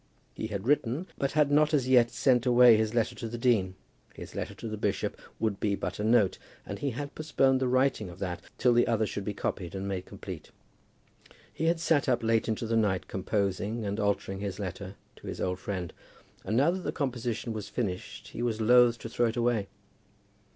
He had written, but had not as yet sent away his letter to the dean. His letter to the bishop would be but a note, and he had postponed the writing of that till the other should be copied and made complete. He had sat up late into the night composing and altering his letter to his old friend, and now that the composition was finished he was loth to throw it away.